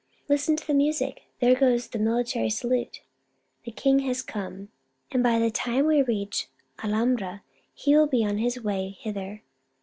" Listen to the music; there goes the military salute ! The king has come, and by the time we reach the Alhambra he will be on his way hither.